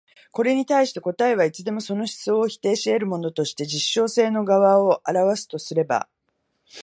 これに対して答えはいつでもその思想を否定し得るものとして実証性の側を現すとすれば、